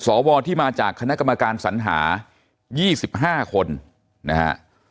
สวที่มาจากคณะกรรมการสัญหา๒๕คนนะฮะ